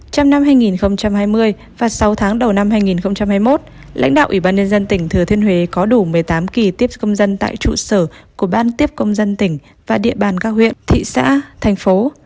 trong năm hai nghìn hai mươi và sáu tháng đầu năm hai nghìn hai mươi một lãnh đạo ủy ban nhân dân tỉnh thừa thiên huế có đủ một mươi tám kỳ tiếp công dân tại trụ sở của ban tiếp công dân tỉnh và địa bàn các huyện thị xã thành phố